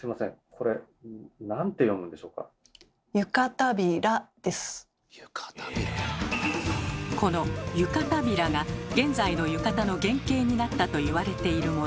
これこの「湯帷子」が現在の浴衣の原型になったと言われているもの。